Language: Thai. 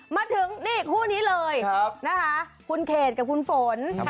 มาถึงคู่นี้เลยคุณเกดกับคุณฝน